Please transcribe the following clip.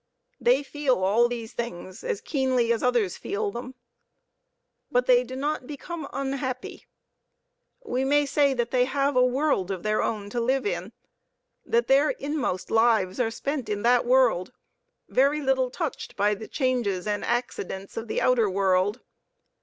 They feel all these things as keenly as others feel them. But they do not become unhappy. We may say they have a world of their own to live in, that their inmost lives are spent in that world, very little touched by the changes and accidents of the outer world.